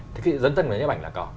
thế thì dân thân của nhà nhấp ảnh là có